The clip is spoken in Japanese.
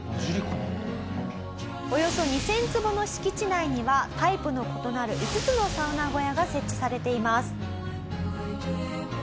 およそ２０００坪の敷地内にはタイプの異なる５つのサウナ小屋が設置されています。